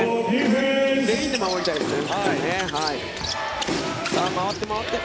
全員で守りたいですね。